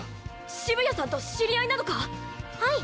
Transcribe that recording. あ澁谷さんと知り合いなのか⁉はい！